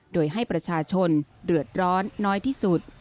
โดยให้ประชาชนเดือดร้อนน้อยที่สุด